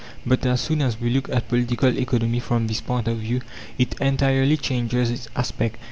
But as soon as we look at Political Economy from this point of view, it entirely changes its aspect.